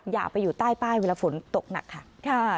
อย่าไปอยู่ใต้ป้ายเวลาฝนตกหนักค่ะ